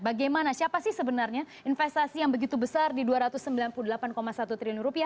bagaimana siapa sih sebenarnya investasi yang begitu besar di rp dua ratus sembilan puluh delapan satu triliun rupiah